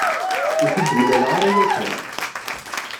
Ur t-id-mlaleɣ ara yakan.